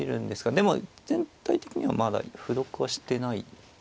でも全体的にはまだ歩得はしてない。